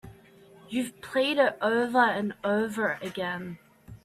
You've played it over and over again.